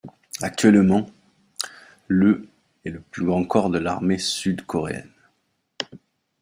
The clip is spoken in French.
Actuellement, le est le plus grand corps de l'armée sud-coréenne.